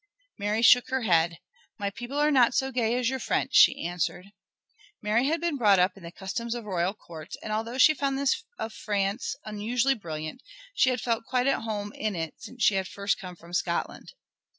Mary shook her head. "My people are not so gay as your French," she answered. Mary had been brought up in the customs of royal courts, and although she found this of France unusually brilliant she had felt quite at home in it since she had first come from Scotland.